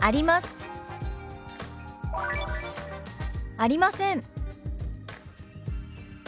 「ありません」。